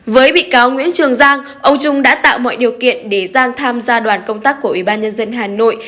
với bị cáo nguyễn trường giang ông trung đã tạo mọi điều kiện để giang tham gia đoàn công tác của ubnd hà nội